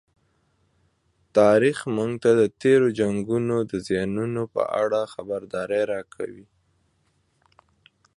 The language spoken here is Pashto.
تاریخ موږ ته د تېرو جنګونو د زیانونو په اړه خبرداری راکوي.